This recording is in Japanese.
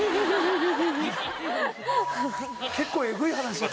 結構エグい話。